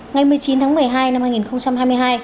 ngày một mươi chín tháng một mươi hai năm hai nghìn hai mươi hai